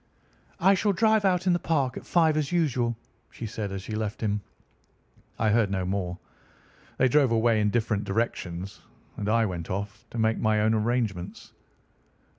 'I shall drive out in the park at five as usual,' she said as she left him. I heard no more. They drove away in different directions, and I went off to make my own arrangements."